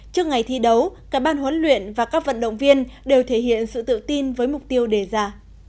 trước ngày thi đấu cả ban huấn luyện và các vận động viên đều thể hiện sự tự tin với mục tiêu đề ra